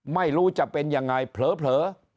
ไม่รู้จะเป็นยังไงเผลอ